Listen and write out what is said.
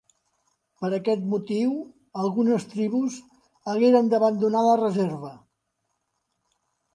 Per aquest motiu, algunes tribus hagueren d'abandonar la reserva.